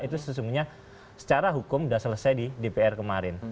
itu sesungguhnya secara hukum sudah selesai di dpr kemarin